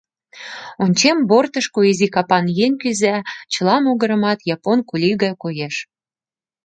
Ончем — бортышко изи капан еҥ кӱза, чыла могырымат япон кули гай коеш.